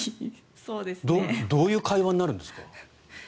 どういう会話になるんですか？